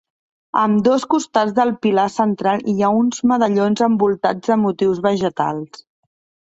A ambdós costats del pilar central hi ha uns medallons envoltats de motius vegetals.